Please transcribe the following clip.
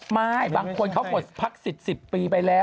ไม่บางคนเขาหมดพักสิทธิ์๑๐ปีไปแล้ว